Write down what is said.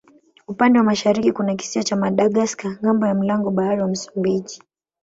Upande wa mashariki kuna kisiwa cha Madagaska ng'ambo ya mlango bahari wa Msumbiji.